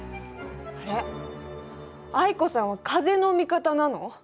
あれ藍子さんは風の味方なの？